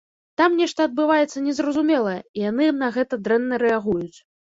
Там нешта адбываецца незразумелае, і яны на гэта дрэнна рэагуюць.